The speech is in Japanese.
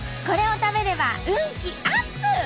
これを食べれば運気アップ！